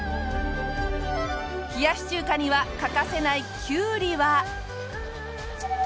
冷やし中華には欠かせないきゅうりは。